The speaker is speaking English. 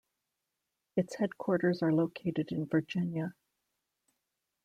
Its headquarters are located in Virginia.